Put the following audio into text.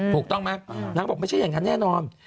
ถูกต้องไหมนางก็บอกไม่ใช่อย่างนั้นแน่นอน